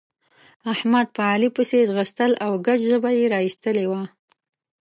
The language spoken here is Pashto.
احمد په علي پسې ځغستل او ګز ژبه يې را اېستلې وه.